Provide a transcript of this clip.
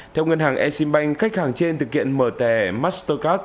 theo ngân hàng exim bank khách hàng trên thực hiện mở thẻ mastercard